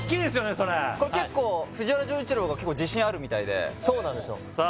それ藤原丈一郎が自信あるみたいでそうなんですよさあ